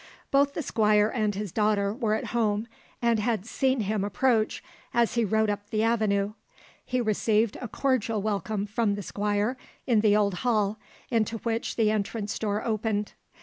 Both the Squire and his daughter were at home, and had seen him approach as he rode up the avenue. He received a cordial welcome from the Squire in the old hall, into which the entrance door opened.